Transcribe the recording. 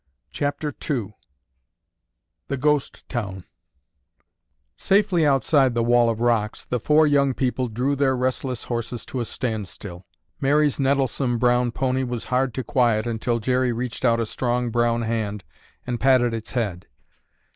CHAPTER II THE GHOST TOWN Safely outside of the wall of rocks, the four young people drew their restless horses to a standstill. Mary's nettlesome brown pony was hard to quiet until Jerry reached out a strong brown hand and patted its head.